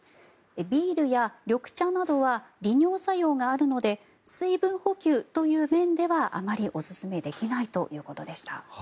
ビールや緑茶などは利尿作用があるので水分補給という面ではあまりおすすめできないということでした。